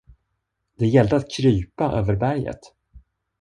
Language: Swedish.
Det gällde att krypa över berget.